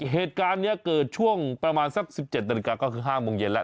เหตุการณ์นี้เกิดช่วงประมาณสัก๑๗นาฬิกาก็คือ๕โมงเย็นแล้ว